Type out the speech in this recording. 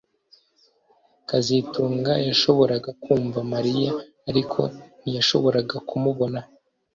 kazitunga yashoboraga kumva Mariya ariko ntiyashobora kumubona